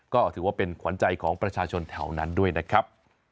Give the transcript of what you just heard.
ก็ถือว่าเป็นขวัญใจของประชาชนแถวนั้นด้วยนะครับ